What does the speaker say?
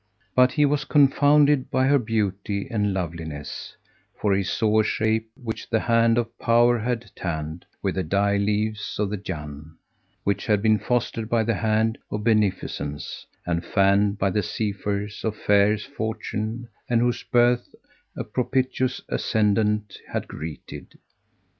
[FN#173] But he was confounded by her beauty and loveliness; for he saw a shape which the Hand of Power had tanned with the dye leaves of the Jánn, which had been fostered by the Hand of Beneficence and fanned by the Zephyrs of fair fortune and whose birth a propitious ascendant had greeted.